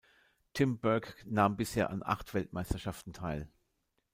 Tim Burke nahm bisher an acht Weltmeisterschaften teil.